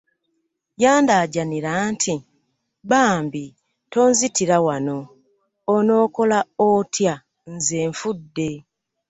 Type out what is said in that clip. Yandaajanira nti, "bambi bw'onzitira wano, onookola otya nze nfudde."